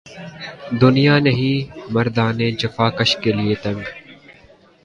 دنیا نہیں مردان جفاکش کے لیے تنگ